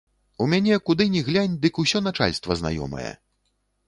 У мяне, куды ні глянь, дык усё начальства знаёмае.